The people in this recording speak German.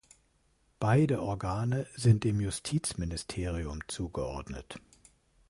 Beide Organe sind dem Justizministerium zugeordnet.